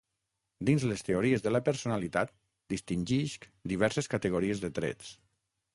Dins les teories de la personalitat, distingisc diverses categories de trets.